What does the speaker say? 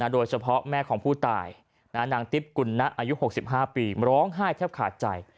โดยเฉพาะแม่ของผู้ตายนางนางติ๊บกุณณะอายุ๖๕ปีร้องไห้แทบขาดใจ